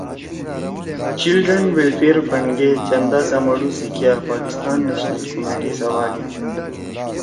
چلڈرن ویلفیئر فنڈ گے چندا سمَڑُو سی کیا پاکستان نشنل کمیٹی سواگأ